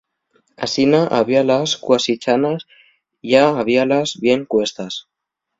Asina, habíalas cuasi chanas ya habíalas bien cuestas.